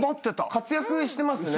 活躍してますね。